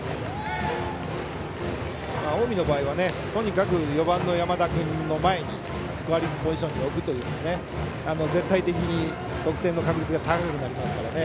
近江の場合はとにかく４番の山田君の前にスコアリングポジションに置くと絶対的に得点の確率が高くなりますからね。